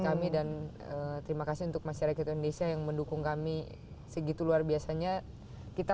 kami dan terima kasih untuk masyarakat indonesia yang mendukung kami segitu luar biasanya kita